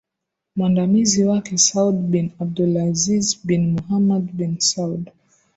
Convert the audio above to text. Mwandamizi wake Saud bin AbdulAziz bin Muhammad bin Saud